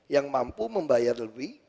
yang mampu membayar lebih